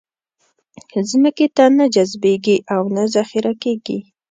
ځمکې ته نه جذبېږي او نه ذخېره کېږي.